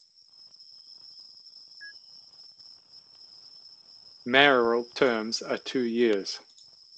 Mayoral terms are two years.